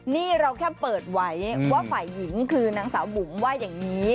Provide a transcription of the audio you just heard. นี่เราแค่เปิดไว้ว่าฝ่ายหญิงคือนางสาวบุ๋มว่าอย่างนี้